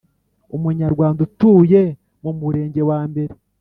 umunyarwanda utuye mu mu Murenge wa mbere